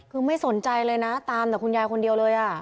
คือไม่สนใจเลยนะตามแต่คุณยายคนเดียวเลย